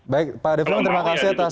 baik pak devlong terima kasih atas